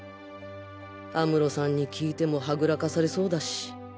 安室さんに聞いてもはぐらかされそうだし